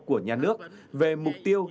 của nhà nước về mục tiêu